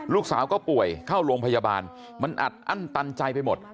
ลูกสาวก็ป่วยเข้าโรงพยาบาลมันอัดอั้นตันใจไปหมด